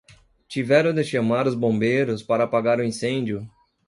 Tiveram de chamar os bombeiros para apagar o incêndio